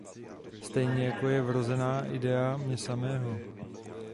Stejně jako je vrozená idea mě samého.